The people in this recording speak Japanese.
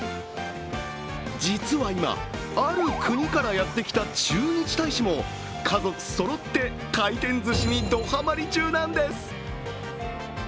実は今、ある国からやってきた駐日大使も家族そろって、回転ずしにドはまり中なんです。